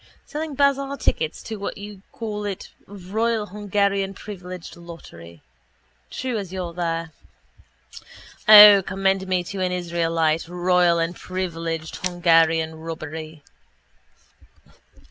Selling bazaar tickets or what do you call it royal Hungarian privileged lottery. True as you're there. O, commend me to an israelite! Royal and privileged Hungarian robbery.